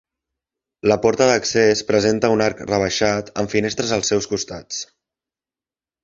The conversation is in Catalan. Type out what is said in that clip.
La porta d'accés presenta un arc rebaixat amb finestres als seus costats.